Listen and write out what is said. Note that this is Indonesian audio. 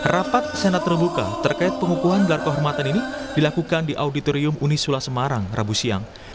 rapat senat terbuka terkait pengukuhan gelar kehormatan ini dilakukan di auditorium unisula semarang rabu siang